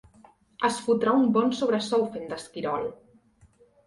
Es fotrà un bon sobresou fent d'esquirol.